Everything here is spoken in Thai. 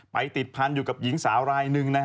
ไปติดพันธุ์อยู่กับหญิงสาวรายหนึ่ง